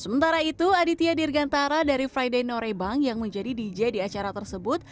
sementara itu aditya dirgantara dari frede norebang yang menjadi dj di acara tersebut